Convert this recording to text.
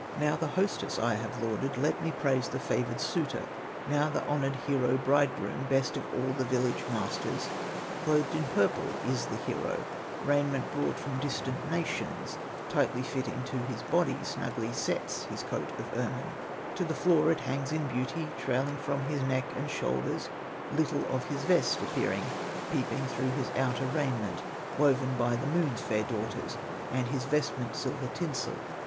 "Now the hostess I have lauded, Let me praise the favored suitor, Now the honored hero bridegroom, Best of all the village masters. Clothed in purple is the hero, Raiment brought from distant nations, Tightly fitting to his body; Snugly sets his coat of ermine, To the floor it hangs in beauty, Trailing from his neck and shoulders, Little of his vest appearing, Peeping through his outer raiment, Woven by the Moon's fair daughters, And his vestment silver tinselled.